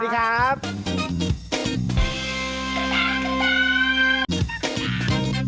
ขอบพระคุณครับสวัสดีครับ